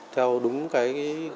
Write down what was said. theo đúng cái